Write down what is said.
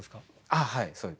あっはいそうです。